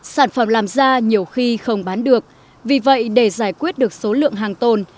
sản phẩm làm ra nhiều khi không bán được vì vậy để giải quyết được số lượng hàng tồn